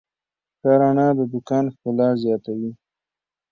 ښه رڼا د دوکان ښکلا زیاتوي.